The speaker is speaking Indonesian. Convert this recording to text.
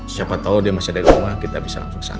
siapa tau dia masih dari rumah kita bisa langsung ke sana